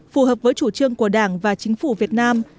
phù hợp với chủ trương của đảng và chính phủ việt nam